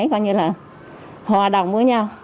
coi như là hòa đồng với nhau